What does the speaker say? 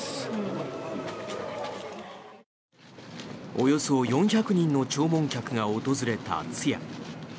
およそ４００人の弔問客が訪れた通夜。